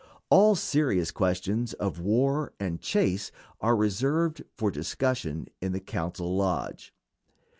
All serious questions of war and chase are reserved for discussion in the council lodge.